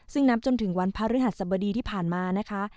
ซึ่งนับจนถึงวันพระฤหัสสบดีที่ผ่านมานะคะ